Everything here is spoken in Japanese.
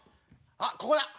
あっここだ。